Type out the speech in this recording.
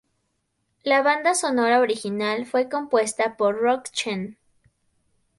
La banda sonora original fue compuesta por Roc Chen.